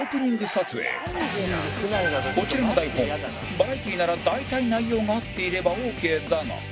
こちらの台本バラエティーなら大体内容が合っていればオーケーだが